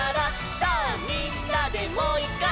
「さぁみんなでもういっかい」